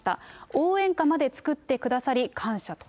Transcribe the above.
応援歌まで作ってくださり感謝と。